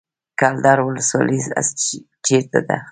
کلدار ولسوالۍ چیرته ده؟